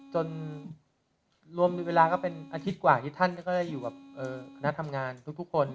จนรวมเวลาก็เป็นอาทิตย์กว่าที่ท่านก็ได้อยู่กับคณะทำงานทุกคน